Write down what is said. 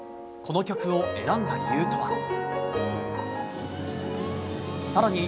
この曲を選んだ理由とは。